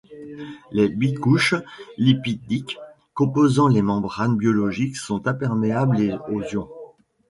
Les bicouches lipidiques composant les membranes biologiques sont imperméables aux ions.